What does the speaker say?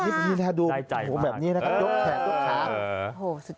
เอาทีนี่นะครับดูผมแบบนี้นะครับ